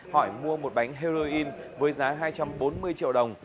hỏi mua một bánh heroin với giá hai trăm bốn mươi triệu đồng